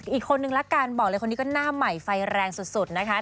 อีกคนนึงละกันบอกเลยคนนี้ก็หน้าใหม่ไฟแรงสุดนะคะ